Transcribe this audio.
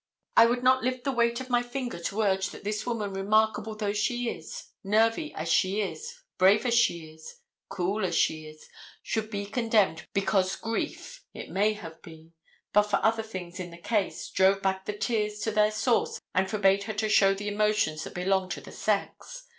I would not lift the weight of my finger to urge that this woman remarkable though she is, nervy as she is, brave as she is, cool as she is, should be condemned because grief, it may have been, but for other things in the case, drove back the tears to their source and forbade her to show the emotions that belong to the sex.